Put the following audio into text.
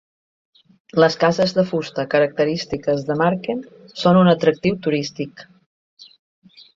Les cases de fusta característiques de Marken són un atractiu turístic.